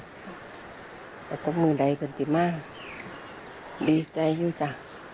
แล้วก็มือใดกันสิมากดีใจอยู่จ้ะ